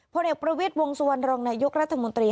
เอกประวิทย์วงสุวรรณรองนายกรัฐมนตรี